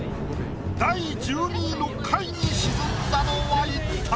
第１２位の下位に沈んだのは一体？